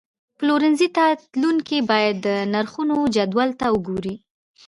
پلورنځي ته تلونکي باید د نرخونو جدول ته وګوري.